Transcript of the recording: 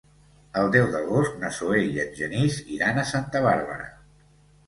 El deu d'agost na Zoè i en Genís iran a Santa Bàrbara.